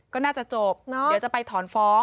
ก็น่าจะจบเดี๋ยวจะไปถอนฟ้อง